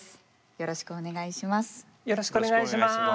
よろしくお願いします。